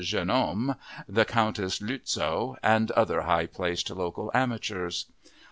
Jeunehomme, the Countess Lützow, and other high placed local amateurs.